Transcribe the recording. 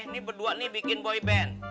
nih berdua nih bikin boy band